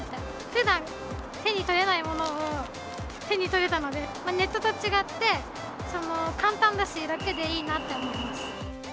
ふだん、手に取れないものを手に取れたのでネットと違って、簡単だし楽でいいなと思います。